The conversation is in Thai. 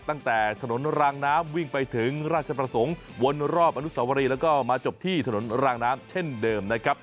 ตั้งแต่ถนนรางน้ำวิ่งไปถึงราชประสงค์วนรอบอนุสวรีแล้วก็มาจบที่ถนนรางน้ำเช่นเดิมนะครับ